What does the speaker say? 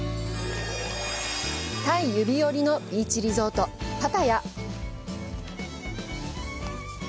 タイ指折りのビーチリゾート、パタヤ。